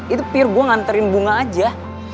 itu peer gue nganterin bunga aja